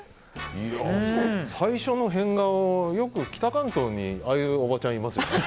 最初の変顔は、よく北関東にああいうおばちゃんいますよね。